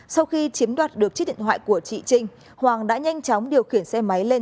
sau khi chiếm đoạt được chiếc điện thoại của chị trinh hoàng đã nhanh chóng điều khiển xe máy lên